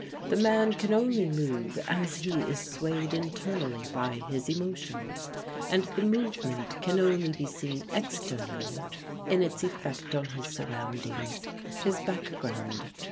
The man can only move as he is swayed internally by his emotions; and the movement can only be seen externally in its effect on his surroundings, his background.